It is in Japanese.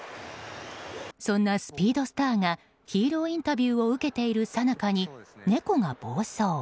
そんなスピードスターがヒーローインタビューを受けているさなかに猫が暴走。